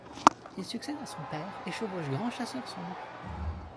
Il succède à son père et chevauche Grand Chasseur son loup.